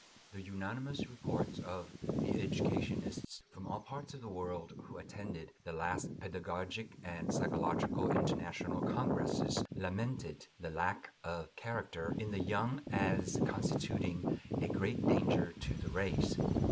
The unanimous reports of the educationists from all parts of the world who attended the last pedagogic and psychological international congresses lamented the "lack of character" in the young as constituting a great danger to the race.